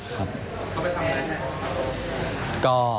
เอาไปทำอะไรครับ